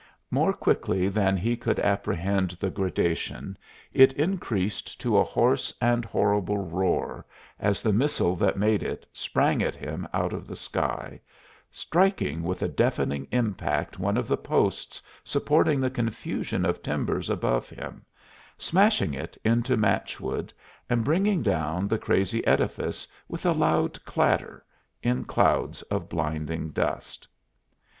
More quickly than he could apprehend the gradation, it increased to a hoarse and horrible roar, as the missile that made it sprang at him out of the sky, striking with a deafening impact one of the posts supporting the confusion of timbers above him, smashing it into matchwood, and bringing down the crazy edifice with a loud clatter, in clouds of blinding dust!